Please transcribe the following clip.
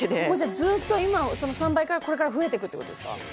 もうじゃあずっと今その３倍からこれから増えていくっていう事ですか？